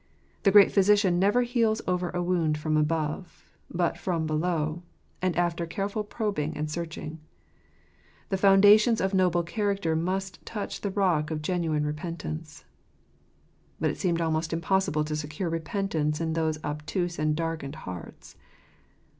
The great Physican never heals over a wound from above, but from below, and after careful probing and searching. The founda tions of noble character must touch the rock of genuine repentance. But it seemed almost impossible to secure repentance in those obtuse and darkened hearts.